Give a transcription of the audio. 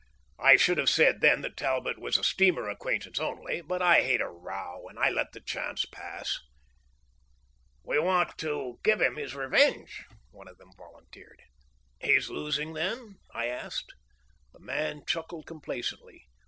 I should have said then that Talbot was a steamer acquaintance only; but I hate a row, and I let the chance pass. "We want to give him his revenge," one of them volunteered. "He's losing, then?" I asked. The man chuckled complacently.